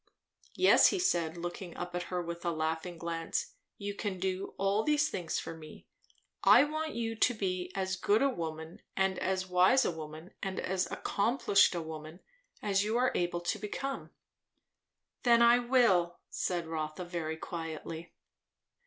"Yes," said he, looking up at her with a laughing glance, "you can do all these things for me. I want you to be as good a woman, and as wise a woman, and as accomplished a woman, as you are able to become." "Then I will," said Rotha very quietly.